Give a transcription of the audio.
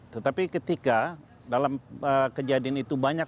tetapi ketika dalam kejadian itu banyak